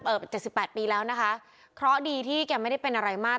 เจ็ดสิบแปดปีแล้วนะคะเคราะห์ดีที่แกไม่ได้เป็นอะไรมาก